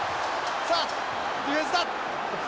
さあディフェンスだ。